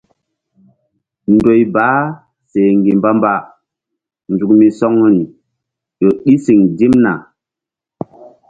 Ndoy baah seh ŋgi̧ mbambazuk misɔŋri ƴo ɗi siŋ dimna.